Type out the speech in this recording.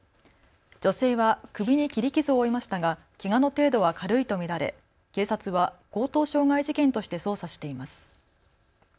女性は首に切り傷を負いましたがけがの程度は軽いと見られ警察は強盗傷害事件として捜査しています。